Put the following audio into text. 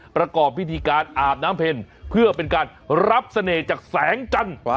ประกอบพิธีการอาบน้ำเพ็ญเพื่อเป็นการรับเสน่ห์จากแสงจันทร์